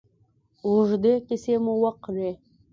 اوږدې کیسې مو وکړې.